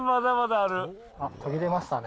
あっ、途切れましたね。